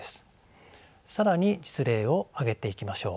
更に実例を挙げていきましょう。